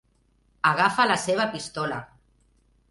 Agafa la seva pistola!